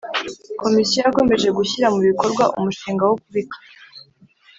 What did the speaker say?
Komisiyo yakomeje gushyira mu bikorwa umushinga wo kubika